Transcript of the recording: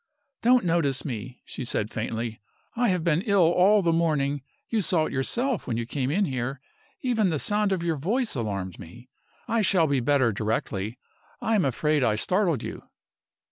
"Don't notice me," she said, faintly. "I have been ill all the morning. You saw it yourself when you came in here; even the sound of your voice alarmed me. I shall be better directly. I am afraid I startled you?"